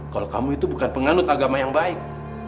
kalau kamu itu bukan penganut agama yang baik